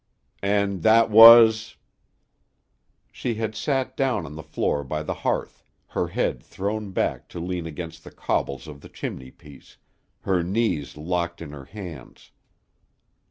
"And that was?" She had sat down on the floor by the hearth, her head thrown back to lean against the cobbles of the chimney piece, her knees locked in her hands.